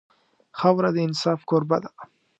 خاوره د انصاف کوربه ده.